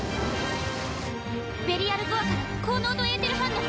ベリアル・ゴアから高濃度エーテル反応！